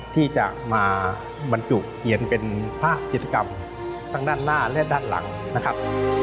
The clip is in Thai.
ที่จะมาบรรจุเขียนเป็นภาพจิตกรรมทั้งด้านหน้าและด้านหลังนะครับ